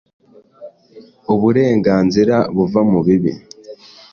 Uburenganzira buva mubibi,